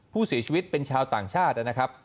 ผู้เสียชีวิตเป็นชาวต่างชาตินะครับ